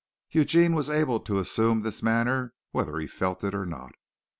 Eugene was able to assume this manner whether he felt it or not.